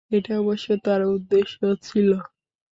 এটা অবশ্য তার উদ্দেশ্য ছিল।